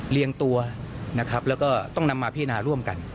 เรียงตัวนะครับแล้วก็ต้องนำมาพิจารณาร่วมกัน